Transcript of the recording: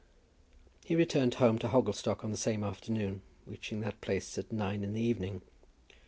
He returned home to Hogglestock on the same afternoon, reaching that place at nine in the evening.